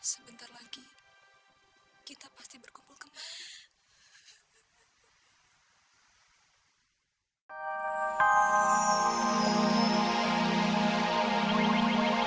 sebentar lagi kita pasti berkumpul kemana